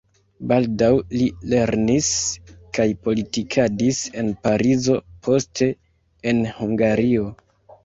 Baldaŭ li lernis kaj politikadis en Parizo, poste en Hungario.